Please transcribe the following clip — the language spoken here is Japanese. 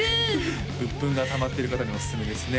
うっぷんがたまってる方におすすめですね